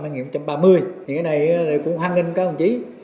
cái này cũng hoan nghênh các ông chí